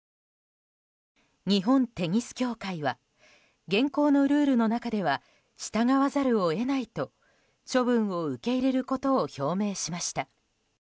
日本テニス協会は現行のルールの中では従わざるを得ないと処分を受け入れることを表明しました。